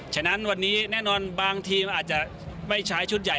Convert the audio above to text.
ฉะนั้นวันนี้แน่นอนบางทีมอาจจะไม่ใช้ชุดใหญ่